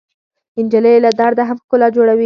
نجلۍ له درده هم ښکلا جوړوي.